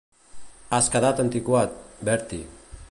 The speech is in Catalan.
Has quedat antiquat, Bertie.